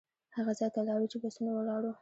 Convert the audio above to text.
هغه ځای ته لاړو چې بسونه ولاړ وو.